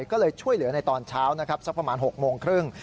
ก็เลยช่วยเหลือในตอนเช้านะครับสักประมาณ๖โมงครึ่ง